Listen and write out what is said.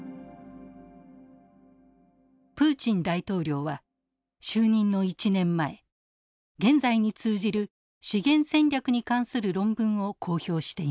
プーチン大統領は就任の１年前現在に通じる「資源戦略」に関する論文を公表していました。